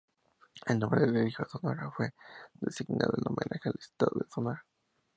El nombre del ejido Sonora, fue designado en homenaje al estado de Sonora.